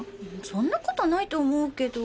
そんなことないと思うけど。